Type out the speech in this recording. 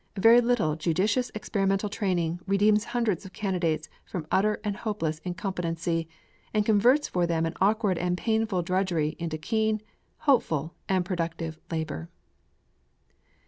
A very little judicious experimental training redeems hundreds of candidates from utter and hopeless incompetency, and converts for them an awkward and painful drudgery into keen, hopeful and productive labor.